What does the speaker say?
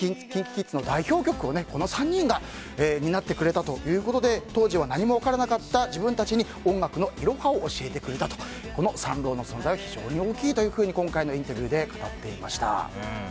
ＫｉｎＫｉＫｉｄｓの代表曲をこの３人が担ってくれたということで当時は何も分からなかった自分たちに音楽のいろはを教えてくれたとこの３郎の存在は非常に大きいというふうに今回のインタビューで語っていました。